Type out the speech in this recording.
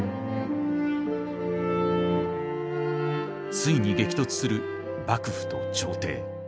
ついに激突する幕府と朝廷。